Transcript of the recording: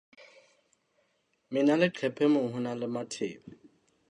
Mena leqephe moo ho nang le matheba.